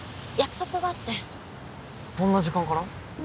こんな時間から？